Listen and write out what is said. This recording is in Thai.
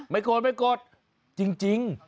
ไม่โกรธจริง